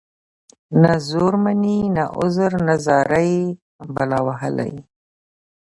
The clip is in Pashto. نه زور مــني نه عـذر نـه زارۍ بلا وهـلې.